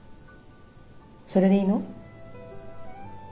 それでいいの？